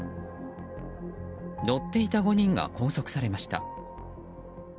乗っていた５人が拘束されました。